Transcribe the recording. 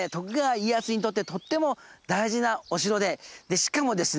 しかもですね